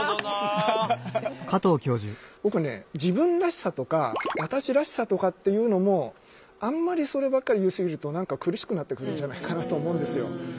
僕ね自分らしさとか私らしさとかっていうのもあんまりそればっかり言い過ぎると苦しくなってくるんじゃないかなと思うんですよ。